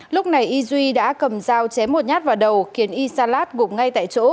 lúc này y duy đã cầm dao chém một nhát vào đầu khiến y salat gục ngay tại chỗ